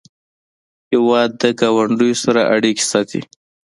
هېواد د ګاونډیو سره اړیکې ساتي.